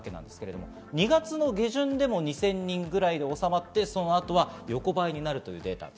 ２月の下旬でも２０００人ぐらいで収まって、その後は横ばいになるというデータです。